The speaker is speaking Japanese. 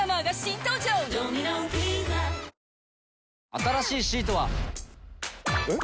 新しいシートは。えっ？